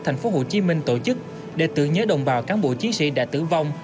thành phố hồ chí minh tổ chức để tự nhớ đồng bào cán bộ chiến sĩ đã tử vong